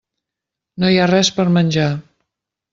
No hi ha res per menjar.